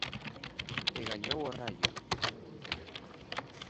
E gañou o Raio.